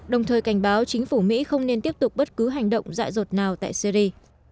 đồng thời cảnh báo chính phủ mỹ không nên tiếp tục bất cứ hành động dạ rột nào tại syri